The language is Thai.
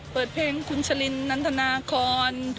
เปิดเพลงคุณชะลินนันทนาคอน